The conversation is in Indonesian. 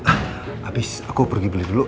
habis aku pergi beli dulu